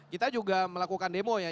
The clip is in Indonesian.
kita juga melakukan demo ya